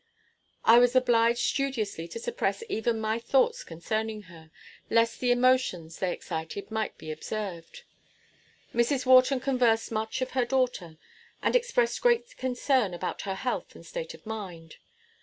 I was obliged studiously to suppress even my thoughts concerning her, lest the emotions they excited might be observed. Mrs. Wharton conversed much of her daughter, and expressed great concern about her health and state of mind.